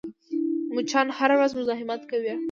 مچان هره ورځ مزاحمت کوي